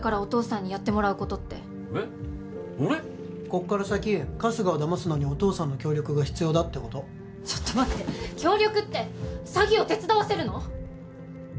こっから先春日をだますのにお父さんの協力が必要だってことちょっと待って協力って詐欺を手伝わせるの？